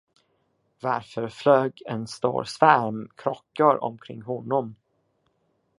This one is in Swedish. Varför flög en stor svärm kråkor omkring honom?